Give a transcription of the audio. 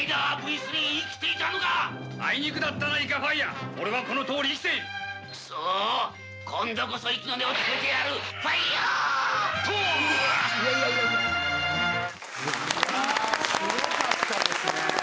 すごかったですね。